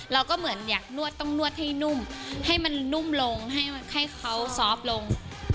เราก็เหมือนอยากนวดต้องนวดให้นุ่มให้มันนุ่มลงให้เขาซอฟต์ลง